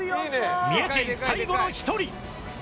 三重人最後の１人。